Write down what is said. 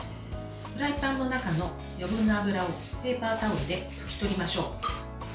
フライパンの中の余分な油をペーパータオルで拭き取りましょう。